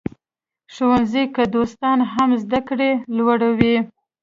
ښوونځي کې دوستان هم زده کړه لوړوي.